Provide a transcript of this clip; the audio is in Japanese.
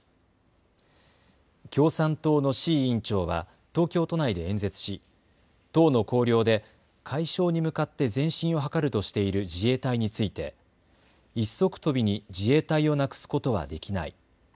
共産党の志位委員長は東京都内で演説し党の綱領で、解消に向かって前進をはかるとしている自衛隊について一足飛びに自衛隊をなくすことはできない。